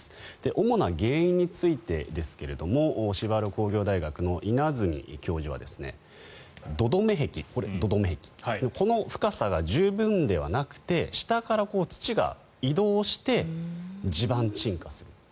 主な原因についてですが芝浦工業大学の稲積教授は土留め壁この深さが十分ではなくて下から土が移動して地盤沈下する。